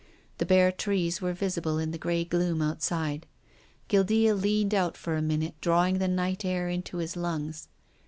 The bare trees were visible in the grey gloom outside. Guildca leaned out for a minute drawing the night air into his lungs.